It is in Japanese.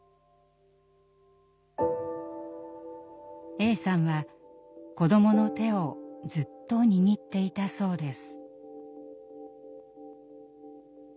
Ａさんは子どもの手をずっと握っていたそうです。